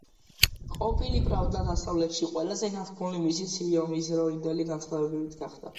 ყოფილი პრავდა დასავლეთში ყველაზე განთქმული მისი ცივი ომისდროინდელი განცხადებებით გახდა.